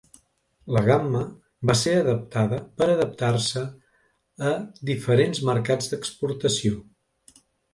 La gamma va ser adaptada per adaptar-se a diferents mercats d'exportació.